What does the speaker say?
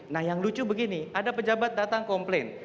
nah yang lucu begini ada pejabat datang komplain